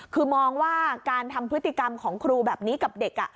คือมองว่าการทำพฤติกรรมของครูแบบนี้กับเด็ก